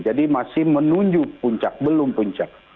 jadi masih menunjuk puncak belum puncak